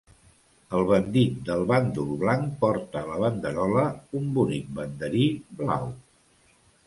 El bandit del bàndol blanc porta a la banderola un bonic banderí blau.